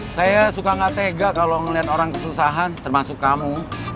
saya suka gak tega kalau melihat orang kesusahan termasuk kamu